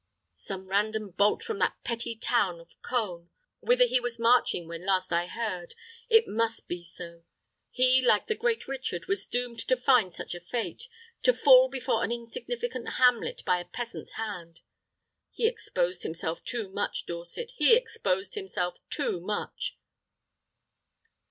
Some random bolt from that petty town of Cone, whither he was marching when last I heard. It must be so. He, like the great Richard, was doomed to find such a fate to fall before an insignificant hamlet by a peasant's hand. He exposed himself too much, Dorset he exposed himself too much."